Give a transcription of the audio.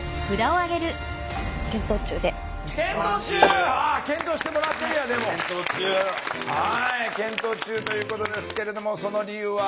はい検討中ということですけれどもその理由は？